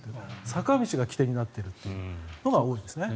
坂道が起点になっているのが多いですね。